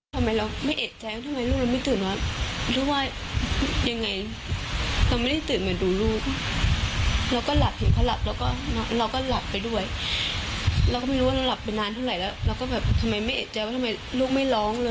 ผิดหน้าลูกแล้วเขาไปดูกลัวลูกหน่อยใจไม่ออก